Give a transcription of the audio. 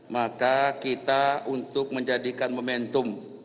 maka kita untuk menjadikan momentum